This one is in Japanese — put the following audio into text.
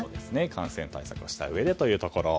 感染対策をしたうえでというところ。